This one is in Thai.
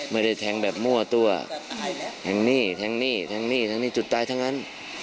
ไม่ได้แทงแบบมั่วตัวแทงหนี้แทงหนี้แทงหนี้แทงหนี้จุดตายทั้งนั้น